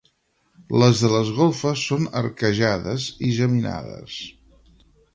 Les de les golfes són arquejades i geminades.